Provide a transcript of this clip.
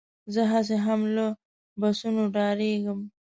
زه هسې هم له بسونو ډارېږم.